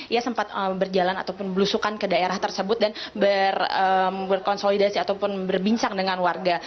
ia sempat berjalan ataupun belusukan ke daerah tersebut dan berkonsolidasi ataupun berbincang dengan warga